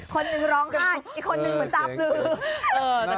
คนหนึ่งร้องไห้อีกคนนึงเหมือนตาปลือ